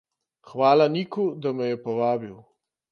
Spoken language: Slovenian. Hvala Niku, da me je povabil.